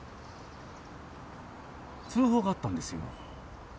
通報があったんですよ。